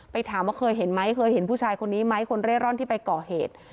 ถามว่าเคยเห็นไหมเคยเห็นผู้ชายคนนี้ไหมคนเร่ร่อนที่ไปก่อเหตุ